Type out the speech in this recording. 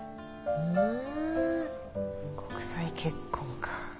ふん国際結婚か。